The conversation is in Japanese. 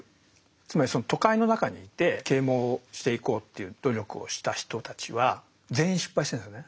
つまりその都会の中にいて啓蒙していこうっていう努力をした人たちは全員失敗してるんですよね。